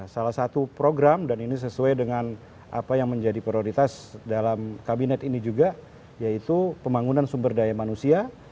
salah satu program dan ini sesuai dengan apa yang menjadi prioritas dalam kabinet ini juga yaitu pembangunan sumber daya manusia